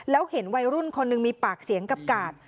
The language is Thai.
แล้วเห็นวัยรุ่นคนหนึ่งมีปากเสียงกับกาด